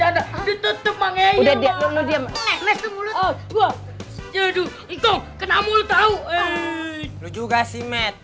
ada ada teman teman udah dia dulu dia menemukan mulut jadul ikut kenamu tahu eh juga sih med